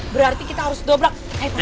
berarti kita harus dobrak